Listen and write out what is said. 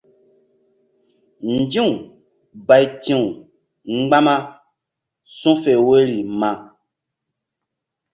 Nzi̧w bayti̧w mgbama su̧fe woyri ma.